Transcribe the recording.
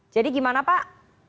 jadi gimana pak